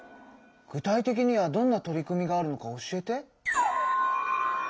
具体的にはどんな取り組みがあるのか教えて。